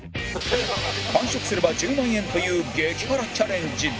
完食すれば１０万円という激辛チャレンジで